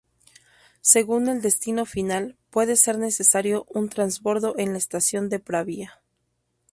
Según el destino final, puede ser necesario un transbordo en la estación de Pravia.